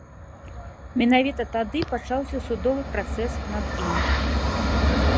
Менавіта тады пачаўся судовы працэс над ім.